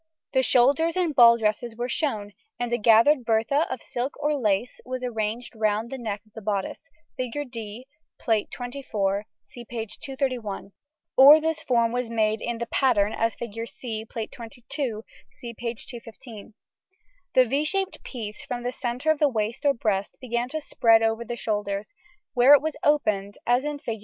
The shoulders in ball dresses were shown, and a gathered Bertha of silk or lace was arranged round the neck of bodice, Fig. D, Plate XXIV (see p. 231), or this form was made in the pattern as in Fig. C, Plate XXII (see p. 215). The =V= shaped piece from the centre of waist or breast began to spread over the shoulders, where it was opened, as in Fig.